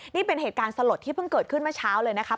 นี่เป็นเหตุการณ์สลดที่เพิ่งเกิดขึ้นเมื่อเช้าเลยนะครับ